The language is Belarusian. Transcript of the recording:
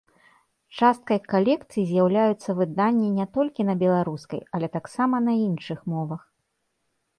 Часткай калекцыі з'яўляюцца выданні не толькі на беларускай, але таксама на іншых мовах.